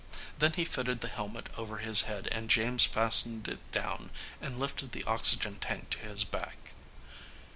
Then he fitted the helmet over his head and James fastened it down and lifted the oxygen tank to his back.